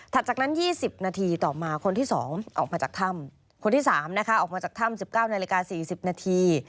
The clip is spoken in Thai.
ถัดจากนั้นยี่สิบนาทีต่อมาคนที่สองออกมาจากท่ำคนที่สามนะคะออกมาจากท่ำสิบเจ้านาฬิกาสี่สิบนาที